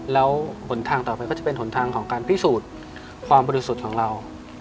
แล้วหนทางต่อไปก็จะเป็นหนทางของการพิสูจน์ความบริสุทธิ์ของเรา